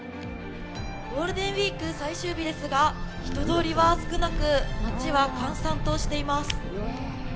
ゴールデンウィーク最終日ですが、人通りは少なく、街は閑散としています。